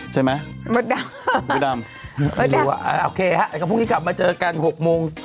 ใช่ไหมหมดดำไม่รู้ว่าโอเคครับพรุ่งนี้กลับมาเจอกัน๖โมง